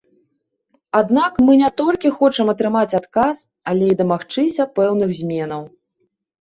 Аднак мы не толькі хочам атрымаць адказ, але і дамагчыся пэўных зменаў.